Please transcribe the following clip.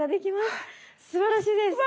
すばらしいです。